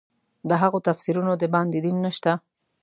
له هغو تفسیرونو د باندې دین نشته.